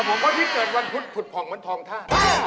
ถ้าที่เกิดวันพุธผุดผงเมืองทองท่าน